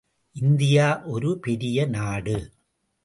India ஒரு பெரிய நாடு.